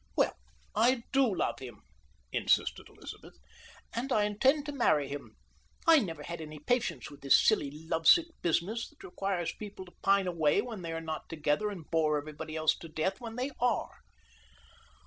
"Well, I do love him," insisted Elizabeth, "and I intend to marry him. I never had any patience with this silly, love sick business that requires people to pine away when they are not together and bore everybody else to death when they were."